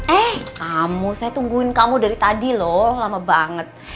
eh kamu saya tungguin kamu dari tadi loh lama banget